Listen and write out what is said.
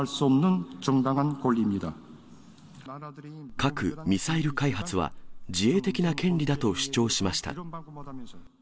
核・ミサイル開発は、自衛的な権利だと主張しました。